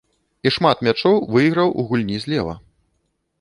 І шмат мячоў выйграў у гульні злева.